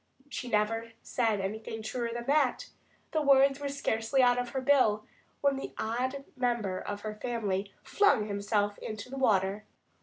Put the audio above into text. She never said anything truer than that. The words were scarcely out of her bill when the odd member of her family flung himself into the water.